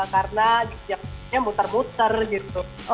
karena di jam jamnya muter muter gitu